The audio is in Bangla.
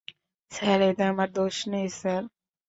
স্যার, এতে আমার দোষ নেই, স্যার।